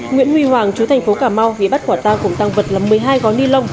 nguyễn huy hoàng chú thành phố cà mau bị bắt quả tang cùng tăng vật là một mươi hai gói ni lông